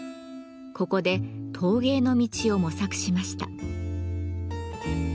ここで陶芸の道を模索しました。